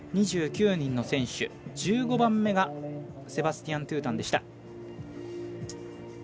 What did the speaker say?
２９人の選手、１５番目がセバスティアン・トゥータンでした。